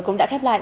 cũng đã khép lại